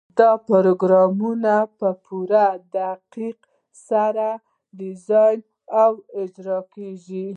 دا پروګرامونه په پوره دقت سره ډیزاین او اجرا کیږي.